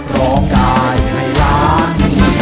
ร้องได้กับร้าน